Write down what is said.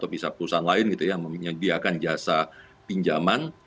bisa perusahaan lain gitu ya yang menyediakan jasa pinjaman